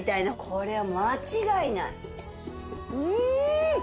これは間違いない。